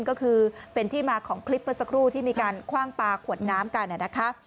ก็คือเป็นที่มาของคลิปเมื่อสักครู่ที่มีการคว่างปลาขวดน้ำกันนะคะ